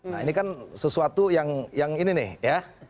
nah ini kan sesuatu yang ini nih ya